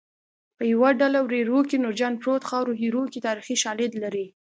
په یوه ډله وریرو کې نورجان پروت خاورو ایرو کې تاریخي شالید لري